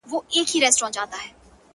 زه چي کور ته ورسمه هغه نه وي،